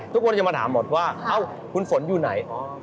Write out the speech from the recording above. ทุกคนจะมาถามหมดว่าเอ้าคุณฝนอยู่ไหน